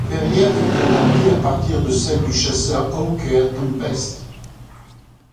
La verrière fut adaptée à partir de celle du chasseur Hawker Tempest.